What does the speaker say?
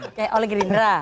oke oleh gerindra